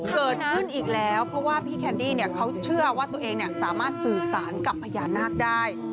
เกิดขึ้นอีกแล้วเพราะว่าพี่แคนดี้เขาเชื่อว่าตัวเองสามารถสื่อสารกับพญานาคได้